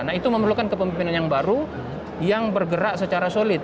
nah itu memerlukan kepemimpinan yang baru yang bergerak secara solid